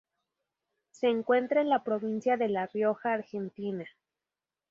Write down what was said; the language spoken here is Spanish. Se encuentra en la provincia de la rioja Argentina.